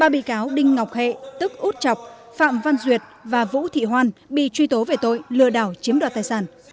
ba bị cáo đinh ngọc hệ tức út chọc phạm văn duyệt và vũ thị hoan bị truy tố về tội lừa đảo chiếm đoạt tài sản